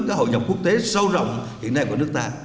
các hội nhập quốc tế sâu rộng hiện nay của nước ta